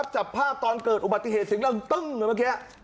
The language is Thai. จับภาพตอนเกิดอุบัติเหตุเสียงดังตึ้งเมื่อกี้